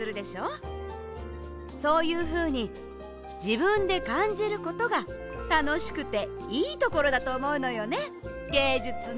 そういうふうにじぶんでかんじることがたのしくていいところだとおもうのよねゲージュツの。